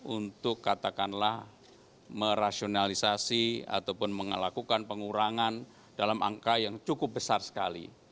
untuk katakanlah merasionalisasi ataupun melakukan pengurangan dalam angka yang cukup besar sekali